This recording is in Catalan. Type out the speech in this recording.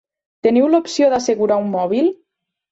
Teniu l'opció d'assegurar un mòbil?